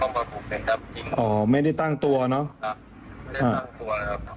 เวลาเราเข้าไปแอบดูเพราะว่าตื่นเต็มถนนหนทางนะครับ